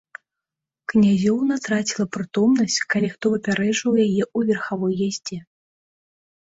Князёўна траціла прытомнасць, калі хто выпярэджваў яе ў верхавой яздзе.